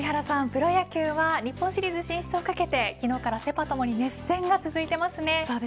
プロ野球は日本シリーズ進出をかけて昨日からセ、パともに熱戦が続いていますね。